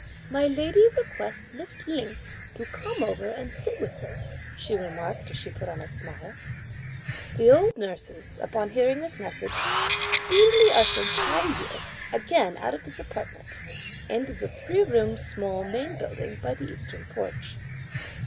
"My lady requests Miss Lin to come over and sit with her," she remarked as she put on a smile. The old nurses, upon hearing this message, speedily ushered Tai yü again out of this apartment, into the three roomed small main building by the eastern porch.